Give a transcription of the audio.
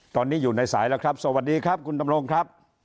ตอนนี้อยู่ในสายแล้วครับสวัสดีครับคุณดำรงครับ